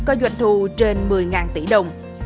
có doanh thu trên một mươi tỷ đồng